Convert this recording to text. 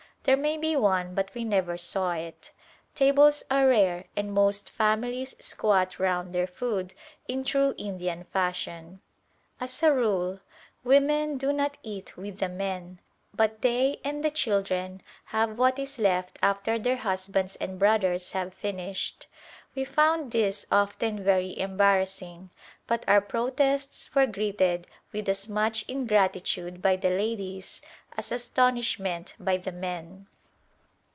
There may be one, but we never saw it. Tables are rare, and most families squat round their food in true Indian fashion. As a rule women do not eat with the men; but they and the children have what is left after their husbands and brothers have finished. We found this often very embarrassing; but our protests were greeted with as much ingratitude by the ladies as astonishment by the men.